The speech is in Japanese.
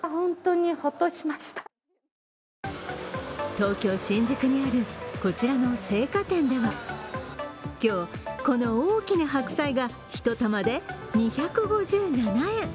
東京・新宿にあるこちらの青果店では今日、この大きな白菜が１玉で２５７円。